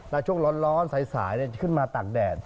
แล้วช่วงร้อนสายขึ้นมาตากแดด